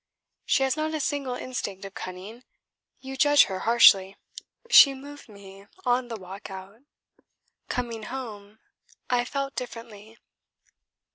"She has not a single instinct of cunning. You judge her harshly." "She moved me on the walk out. Coming home I felt differently."